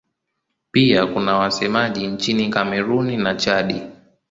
Pia kuna wasemaji nchini Kamerun na Chad.